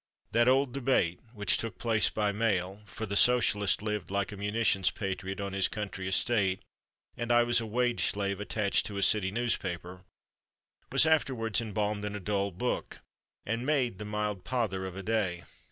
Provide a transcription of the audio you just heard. That old debate, which took place by mail (for the Socialist lived like a munitions patriot on his country estate and I was a wage slave attached to a city newspaper), was afterward embalmed in a dull book, and made the mild pother of a day.